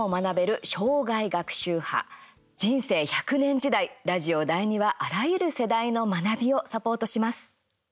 人生１００年時代、ラジオ第２はあらゆる世代の学びをサポートします。